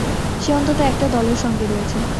সে অন্তত একটা দলের সঙ্গে রয়েছে।